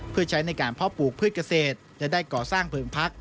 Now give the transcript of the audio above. เพื่อใช้ในการเพาะปลูกพืชเกษตรและได้ก่อสร้างเพลิงพัก